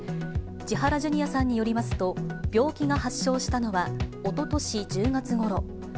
千原ジュニアさんによりますと、病気が発症したのはおととし１０月ごろ。